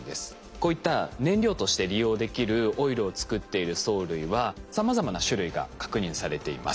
こういった燃料として利用できるオイルを作っている藻類はさまざまな種類が確認されています。